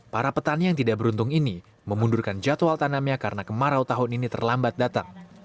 para petani yang tidak beruntung ini memundurkan jadwal tanamnya karena kemarau tahun ini terlambat datang